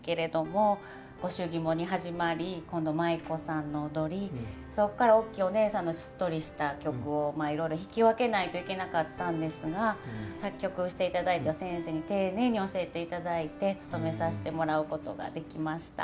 御祝儀物に始まり今度舞妓さんの踊りそっからおっきいおねえさんのしっとりした曲をいろいろ弾き分けないといけなかったんですが作曲をしていただいた先生に丁寧に教えていただいてつとめさせてもらうことができました。